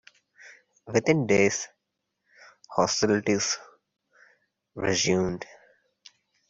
Within days, hostilities resumed.